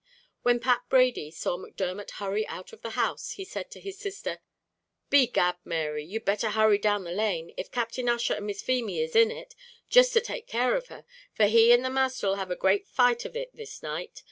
When Pat Brady saw Macdermot hurry out of the house, he said to his sister, "Begad! Mary, you'd better hurry down the lane if Captain Ussher and Miss Feemy is in it jist to take care of her; for he and the masther 'll have a great fight of it this night.